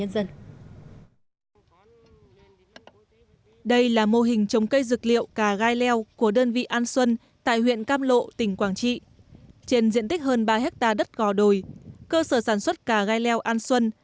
huyện cam lộ tỉnh quảng trị trên diện tích hơn ba ha đất gò đồi cơ sở sản xuất cà gai leo an xuân